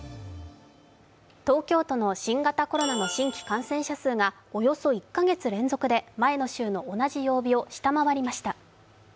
東京都の新型コロナの新規感染者数がおよそ１カ月連続で前の週の同じ曜日を下回りました。